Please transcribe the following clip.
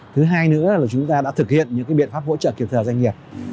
thứ hai nữa là chúng ta đã thực hiện những cái biện pháp hỗ trợ kiểm soát doanh nghiệp